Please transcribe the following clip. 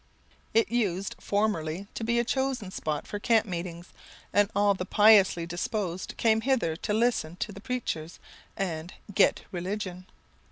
It used formerly to be a chosen spot for camp meetings, and all the piously disposed came hither to listen to the preachers, and "get religion."